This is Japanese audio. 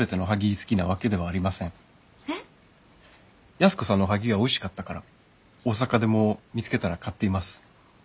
安子さんのおはぎがおいしかったから大阪でも見つけたら買っています。